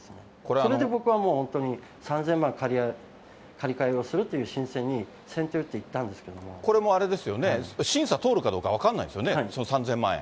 それで僕はもう本当に３０００万借り換えをするっていう申請に、これもう、あれですよね、審査通るかどうか分かんないですよね、その３０００万円。